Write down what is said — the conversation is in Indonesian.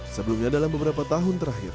sebelumnya dalam beberapa tahun terakhir